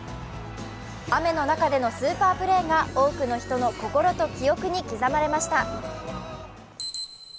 雨の中でのスーパープレーが多くの人の心と記憶に刻まれました。